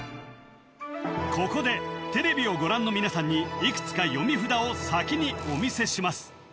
ここでテレビをご覧の皆さんにいくつか読み札を先にお見せします